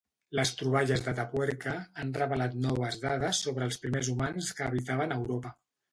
Les troballes d'Atapuerca han revelat noves dades sobre els primers humans que habitaren Europa.